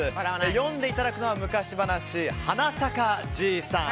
読んでいただくのは昔話「花さかじいさん」。